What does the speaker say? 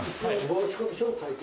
申込書を書いて。